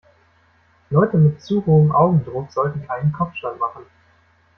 Leute mit zu hohem Augendruck sollten keinen Kopfstand machen.